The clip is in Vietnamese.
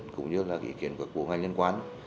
cũng như là cái ý kiến của ngành nhân quán